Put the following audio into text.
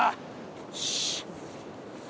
よし。